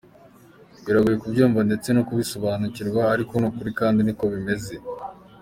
Biragoye kubyumva ndetse no kubisobanukirwa, ariko ni ukuri kandi niko bimeze.